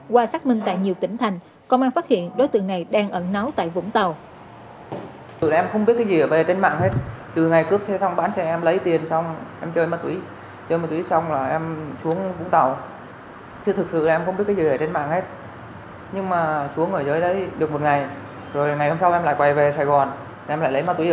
qua xác minh tại nhiều tỉnh thành công an phát hiện đối tượng này đang ẩn náu tại vũng tàu